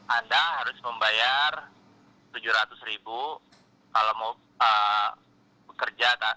anda harus membayar tujuh ratus ribu kalau mau bekerja